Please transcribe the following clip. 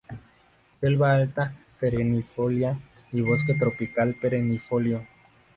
Selva alta perennifolia y bosque tropical perennifolio.